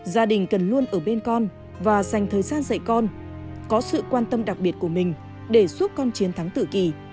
gia đình cần luôn ở bên con và dành thời gian dạy con có sự quan tâm đặc biệt của mình để giúp con chiến thắng tự kỷ